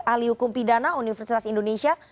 ahli hukum pidana universitas indonesia